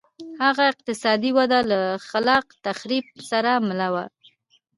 هغه اقتصادي وده له خلاق تخریب سره مله وه.